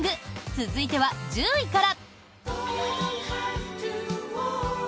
続いては１０位から！